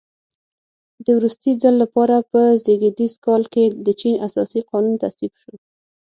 د وروستي ځل لپاره په زېږدیز کال کې د چین اساسي قانون تصویب شو.